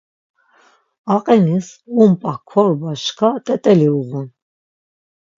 A qinis ump̌a, korba, şka t̆et̆eli uğun.